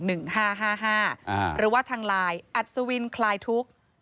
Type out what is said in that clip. หรือว่าทางไลน์อัศวินคลายทุกข์